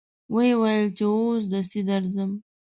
و یې ویل چې اوس دستي درځم.